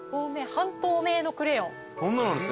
半透明クレヨン。